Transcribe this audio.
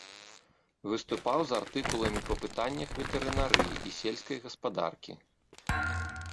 Выступаў з артыкуламі па пытаннях ветэрынарыі і сельскай гаспадаркі.